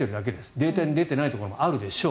データに出ていないところもあるでしょう。